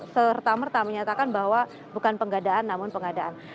serta merta menyatakan bahwa bukan penggadaan namun pengadaan